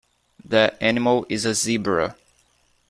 That animal is a Zebra.